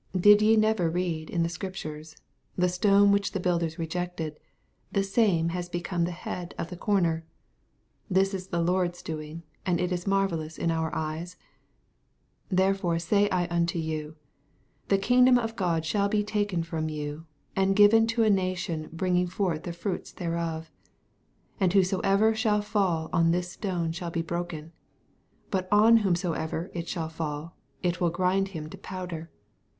Did ve never read in the Scriptures, The stone which the builders rejected, the same is become the head of the comer: this is the Lord's doing, and it is marvellous in our eyes ? 43 Therefore sav I unto vou, The kingdom of God shall be taken from you. and given to a nation bringing fortn the fruits thereof. 44 And whosoever shall fall on this stone shall be broken : but on whom soever it shall fiill, it will grind him to powder.